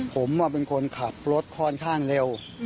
ผมเป็นคนขับรถค่อนข้างเร็ว